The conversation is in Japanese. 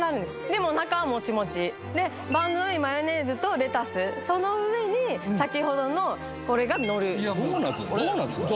でも中はモチモチでバンズの上にマヨネーズとレタスその上に先ほどのこれがのるドーナツドーナツだよ